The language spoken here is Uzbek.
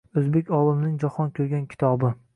O‘zbek olimining jahon ko‘rgan kitobing